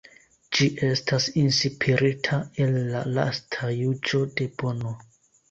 Ĝi estas inspirita el la lasta juĝo de Bono.